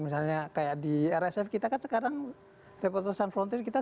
misalnya di rsf kita kan sekarang reputasi frontiers kita satu ratus dua puluh empat